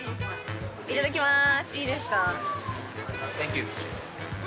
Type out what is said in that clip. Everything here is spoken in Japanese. いただきます。